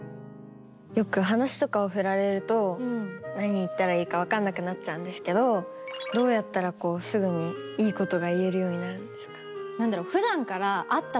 よく話とかをふられると何言ったらいいかわかんなくなっちゃうんですけどどうやったらこうすぐにいいことが言えるようになるんですか？